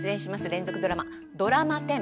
連続ドラマドラマ１０